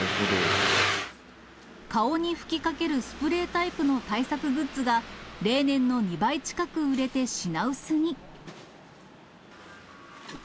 顔に吹きかけるスプレータイプの対策グッズが、例年の２倍近く売れて品薄に。